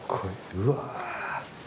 うわ。